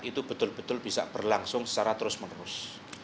itu betul betul bisa berlangsung secara terus menerus